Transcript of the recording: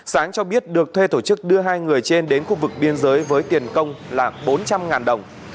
sáng cho biết được thuê tổ chức đưa hai người trên đến khu vực biên giới với tiền công là bốn trăm linh đồng